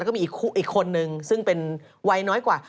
ก็มีอีกคนนึงซึ่งเป็นวัยน้อยกว่า